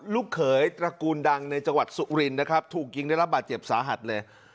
ลูกเขยตระกูลดังในจังหวัดสุรินนะครับถูกยิงได้รับบาดเจ็บสาหัสเลย